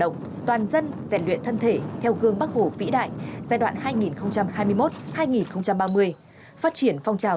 động toàn dân rèn luyện thân thể theo gương bắc hồ vĩ đại giai đoạn hai nghìn hai mươi một hai nghìn ba mươi phát triển phong trào